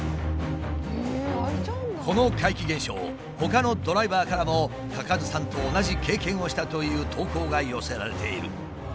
この怪奇現象ほかのドライバーからも嘉数さんと同じ経験をしたという投稿が寄せられている。